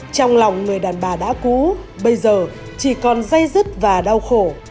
trong lòng người đàn bà đã cũ bây giờ chỉ còn dây dứt và đau khổ